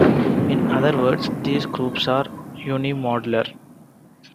In other words, these groups are unimodular.